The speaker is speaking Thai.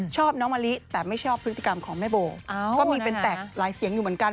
ชอบน้องมะลิแต่ไม่ชอบพฤติกรรมของแม่โบก็มีเป็นแตกหลายเสียงอยู่เหมือนกัน